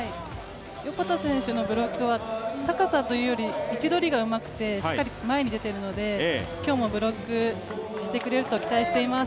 横田選手のブロックは、高さというより位置取りがうまくて、しっかりと前に出てるので、今日もブロックをしてくれると期待しています。